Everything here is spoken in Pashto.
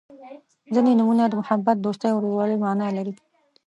• ځینې نومونه د محبت، دوستۍ او ورورولۍ معنا لري.